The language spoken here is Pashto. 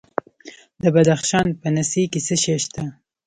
د بدخشان په نسي کې څه شی شته؟